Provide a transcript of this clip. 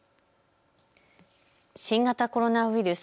新型コロナウイルス。